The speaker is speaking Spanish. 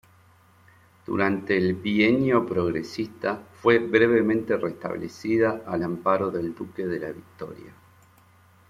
Durante el Bienio Progresista fue brevemente restablecida al amparo del Duque de la Victoria.